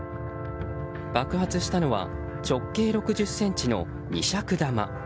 爆発したのは直径６０ｃｍの２尺玉。